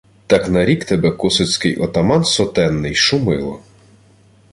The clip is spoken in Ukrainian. — Так нарік тебе косацький отаман сотенний Шумило...